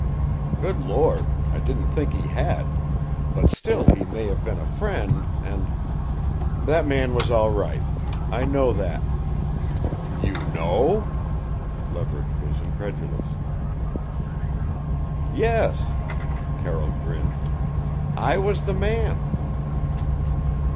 "Good Lord! I didn't think he had. But still he may have been a friend, and " "That man was all right. I know that." "You know?" Leverage was incredulous. "Yes." Carroll grinned. "I was the man!"